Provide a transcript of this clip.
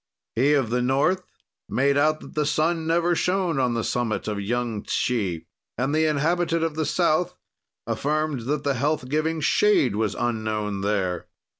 "He of the north made out that the sun never shone on the summit of Yung Tshi, and the inhabitant of the south affirmed that the health giving shade was unknown there."